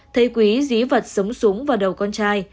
thấy quý dí vật sống súng vào đầu con trai